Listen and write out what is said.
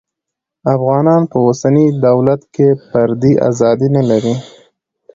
افغانان په اوسني دولت کې فردي ازادي نلري